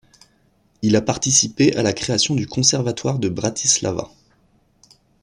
Il a participé à la création du Conservatoire de Bratislava.